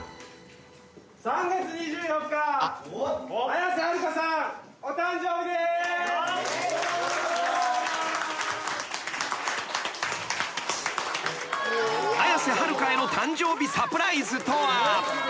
［綾瀬はるかへの誕生日サプライズとは］